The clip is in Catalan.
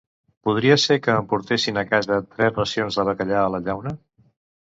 Podria ser que em portessin a casa tres racions de bacallà a la llauna?